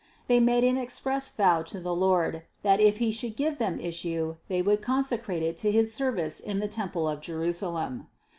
They made an express vow to the Lord, that if He should give them issue, they would consecrate It to his service in the temple of Jerusalem.